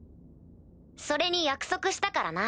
それに約束したからな。